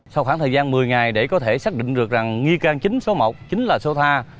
sau khoảng thời gian một mươi ngày để có thể xác định được rằng nghi can chính số một chính là so tha